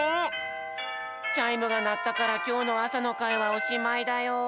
チャイムがなったからきょうのあさのかいはおしまいだよ。